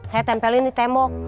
terus nanti saya nyalin di tembok